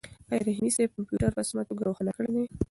آیا رحیمي صیب کمپیوټر په سمه توګه روښانه کړی دی؟